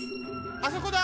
あそこだ！